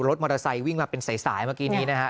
รถมอเตอร์ไซค์วิ่งมาเป็นสายเมื่อกี้นี้นะครับ